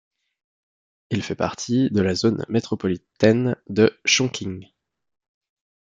Il fait partie de la zone métropolitaine de Chongqing.